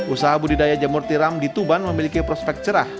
usaha budidaya jamur tiram di tuban memiliki prospek cerah